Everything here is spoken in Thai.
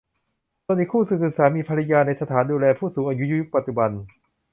ส่วนอีกคู่คือสามีภรรยาในสถานดูแลผู้สูงอายุยุคปัจจุบัน